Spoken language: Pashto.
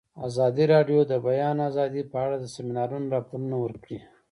ازادي راډیو د د بیان آزادي په اړه د سیمینارونو راپورونه ورکړي.